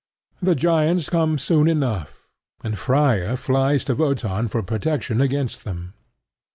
The giants come soon enough; and Freia flies to Wotan for protection against them.